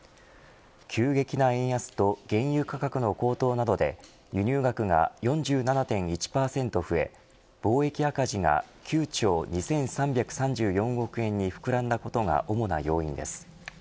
急激な円安と原油価格の高騰などで輸入額が４７．１％増え貿易赤字が９兆２３３４億円に膨らんだことが主な要因です。